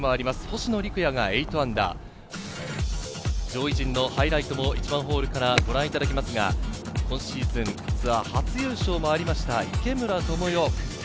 星野陸也が−８、上位陣のハイライトも１番ホールからご覧いただきますが、今シーズン、ツアー初優勝もありました、池村寛世。